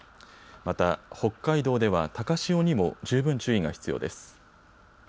また北海道では高潮にも十分注意が必要です。